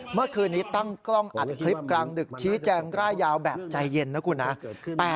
เมื่อคืนนี้ตั้งกล้องอัดคลิปกลางดึกชี้แจงร่ายยาวแบบใจเย็นนะคุณนะ